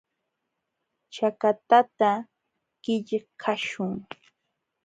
Chakatata qillqaśhun.